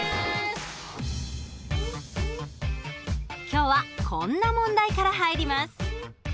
今日はこんな問題から入ります。